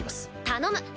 頼む。